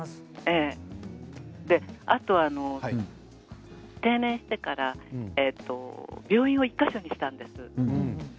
あとは定年してから病院を１か所にしたんです。